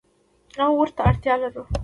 او ورته اړتیا لرو.